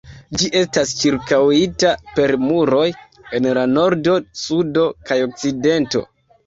Ĝi estas ĉirkaŭita per muroj en la nordo, sudo kaj okcidento.